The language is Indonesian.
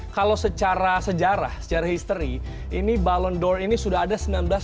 kalau secara sejarah secara history ini ballon d or ini sudah ada seribu sembilan ratus lima puluh enam